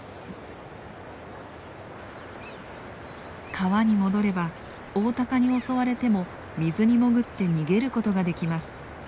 川に戻ればオオタカに襲われても水に潜って逃げることができます。